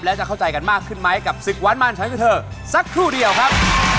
แล้วจะเข้าใจกันมากขึ้นไหมกับศึกวันมั่นฉันกับเธอสักครู่เดียวครับ